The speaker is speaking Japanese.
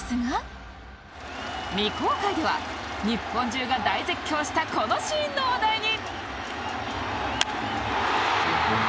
未公開では日本中が大絶叫したこのシーンの話題に！